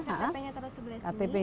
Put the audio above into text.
ktp nya terus sebelah sini sebelah kanan